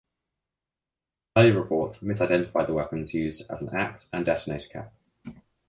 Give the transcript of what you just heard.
Early reports misidentified the weapons used as an axe and detonator cap.